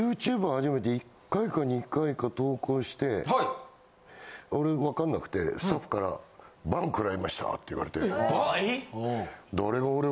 俺ＹｏｕＴｕｂｅ始めて１回か２回か投稿して俺分かんなくてスタッフから。って言われて。